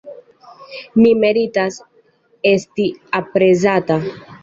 Mi meritas esti aprezata.